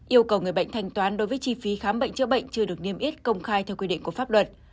yêu cầu người bệnh thanh toán đối với chi phí khám bệnh chữa bệnh chưa được niêm yết công khai theo quy định của pháp luật